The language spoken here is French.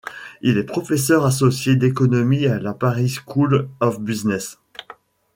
Il est professeur associé d'économie à la Paris School of Business.